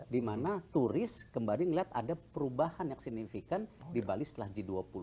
dimana turis kembali melihat ada perubahan yang signifikan di bali setelah g dua puluh